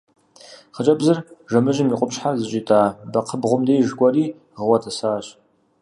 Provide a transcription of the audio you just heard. Хъыджэбзыр жэмыжьым и къупщхьэр зыщӀитӀэжа бэкхъыбгъум деж кӀуэри гъыуэ тӀысащ.